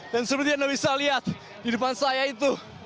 dan seperti yang bisa dilihat di depan saya itu